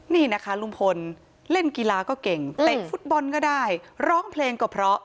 นี่นะคะลุงพลเล่นกีฬาก็เก่งเตะฟุตบอลก็ได้ร้องเพลงก็เพราะ